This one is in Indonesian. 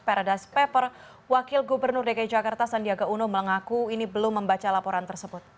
paradise paper wakil gubernur dki jakarta sandiaga uno mengaku ini belum membaca laporan tersebut